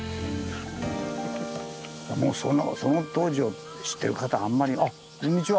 もうその当時を知ってる方あんまりあっこんにちは。